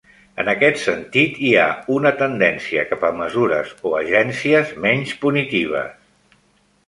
En aquest sentit, hi ha una tendència cap a mesures o agències menys punitives.